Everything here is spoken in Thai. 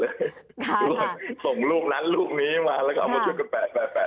ทุกคนส่งลูกนั้นลูกนี้มาแล้วก็มาช่วยกันแปะแปะแปะ